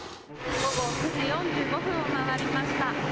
午後９時４５分を回りました。